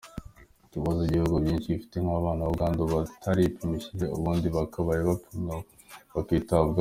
Ibibazo ibihugu byinshi bifite ni ababana n’ubwandu bataripimishije, ubundi bakabaye bapimwa bakitabwaho.